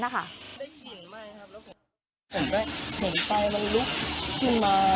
ได้ยินไหมครับแล้วผมก็เห็นไฟมันลุกขึ้นมา